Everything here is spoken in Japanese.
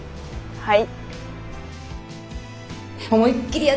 はい。